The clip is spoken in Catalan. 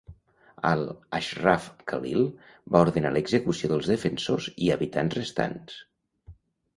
Al-Ashraf Khalil va ordenar l'execució dels defensors i habitants restants.